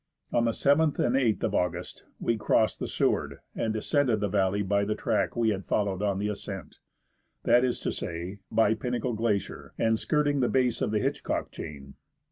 On the 7th and 8th of August we crossed the Seward, and descended the valley by the track we had followed on the ascent ; that is to say, by Pinnacle Glacier, and skirting the base of the Hitchcock chain.